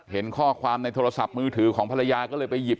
เห็นข้อความในโทรศัพท์มือถือของภรรยาก็เลยไปหยิบ